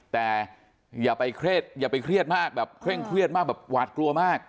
แต่อย่าไปเครียดอย่าไปเครียดมากแบบเคร่งเครียดมากแบบหวาดกลัวมาก